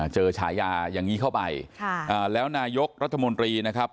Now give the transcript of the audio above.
ฉายาอย่างนี้เข้าไปแล้วนายกรัฐมนตรีนะครับ